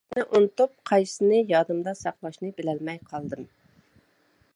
قايسىسىنى ئۇنتۇپ، قايسىسىنى يادىمدا ساقلاشنى بىلەلمەي قالدىم.